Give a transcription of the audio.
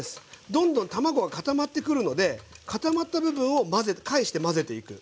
どんどん卵が固まってくるので固まった部分を返して混ぜていく。